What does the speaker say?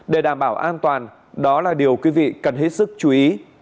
để đảm bảo an toàn đó là điều quý vị cần hết sức chú ý